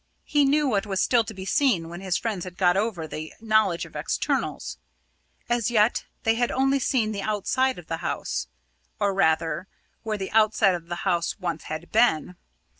He knew what was still to be seen when his friends had got over the knowledge of externals. As yet, they had only seen the outside of the house or rather, where the outside of the house once had been.